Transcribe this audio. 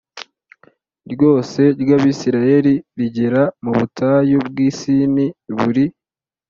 Ryose ry abisirayeli rigera mu butayu bw i sini buri